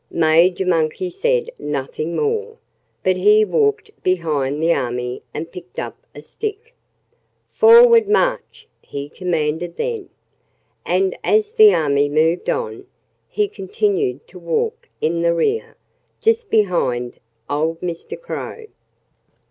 Major Monkey said nothing more. But he walked behind the army and picked up a stick. "Forward, march!" he commanded then. And as the army moved on, he continued to walk in the rear, just behind old Mr. Crow.